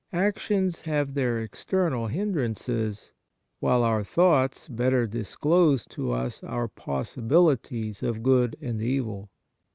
Actions have their external hindrances, while our thoughts better disclose to us our possibilities of good and evil.